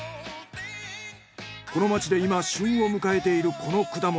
この町で今旬を迎えているこの果物。